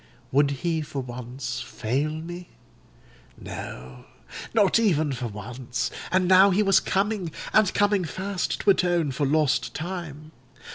"Would he for once fail me? No—not even for once; and now he was coming—and coming fast—to atone for lost time.